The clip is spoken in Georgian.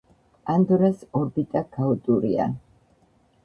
პანდორას ორბიტა ქაოტურია.